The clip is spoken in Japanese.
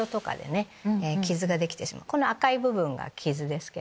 この赤い部分が傷です。